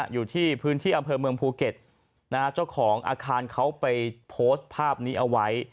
อยู่ที่พื้นที่อำเภอเมืองภูเก็ตนะฮะเจ้าของอาคารเขาไปโพสต์ภาพนี้เอาไว้